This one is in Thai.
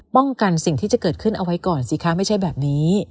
สิ่งที่จะเกิดขึ้นเอาไว้ก่อนสิคะไม่ใช่แบบนี้